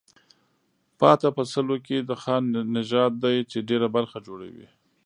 پاتې په سلو کې د خان نژاد دی چې ډېره برخه جوړوي.